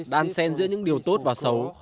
đan xen giữa những điều tốt và xấu